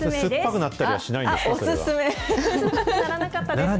ならなかったです。